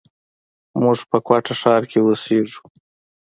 موږ په کوټه ښار کښي اوسېږي.